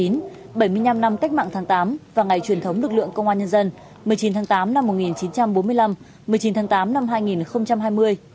bảy mươi năm năm cách mạng tháng tám và ngày truyền thống lực lượng công an nhân dân một mươi chín tháng tám năm một nghìn chín trăm bốn mươi năm một mươi chín tháng tám năm hai nghìn hai mươi